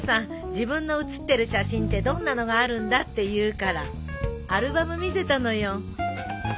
自分の写ってる写真ってどんなのがあるんだって言うからアルバム見せたのよ。